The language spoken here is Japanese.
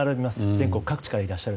全国各地からいらっしゃる。